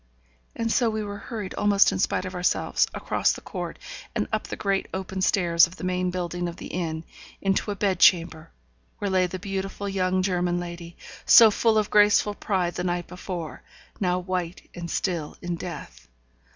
and so we were hurried, almost in spite of ourselves, across the court, and up the great open stairs of the main building of the inn, into a bed chamber, where lay the beautiful young German lady, so full of graceful pride the night before, now white and still in death.